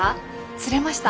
釣れました？